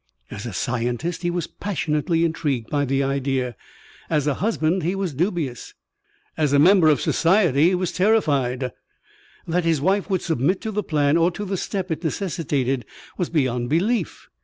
As a scientist he was passionately intrigued by the idea. As a husband he was dubious. As a member of society he was terrified. That his wife would submit to the plan or to the step it necessitated was beyond belief.